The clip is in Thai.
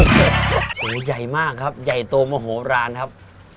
โอ้โหใหญ่มากครับใหญ่โตมโหลานครับ